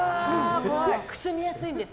くすみやすんです。